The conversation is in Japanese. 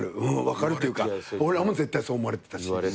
分かるというか俺らも絶対そう思われてたし。